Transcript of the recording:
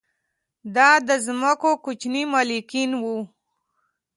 دا د ځمکو کوچني مالکین وو